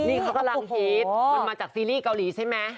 นี่เขากำลังฮิตมันมาจากซีรีส์เกาหลีใช่ไหม